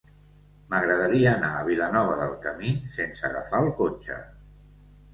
M'agradaria anar a Vilanova del Camí sense agafar el cotxe.